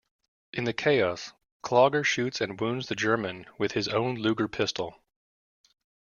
In the chaos, Clogger shoots and wounds the German with his own Luger pistol.